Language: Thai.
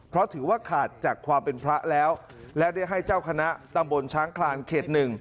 เพราะถือว่าขาดจากความเป็นพระแล้วและได้ให้เจ้าคณะตำบลช้างคลานเขต๑